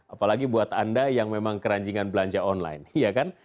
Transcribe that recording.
apalagi buat anda yang memang keranjingan belanja online iya kan